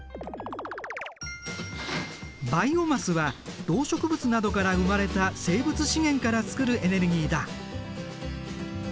バイオマスは動植物などから生まれた生物資源から作るエネルギーだ。